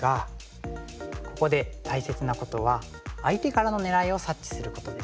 ここで大切なことは相手からの狙いを察知することですね。